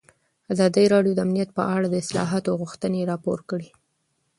ازادي راډیو د امنیت په اړه د اصلاحاتو غوښتنې راپور کړې.